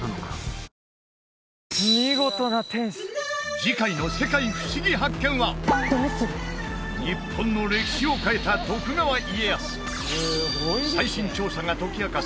次回の「世界ふしぎ発見！」は日本の歴史を変えた徳川家康最新調査が解き明かす